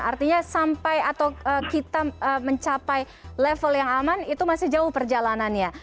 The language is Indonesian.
artinya sampai atau kita mencapai level yang aman itu masih jauh perjalanannya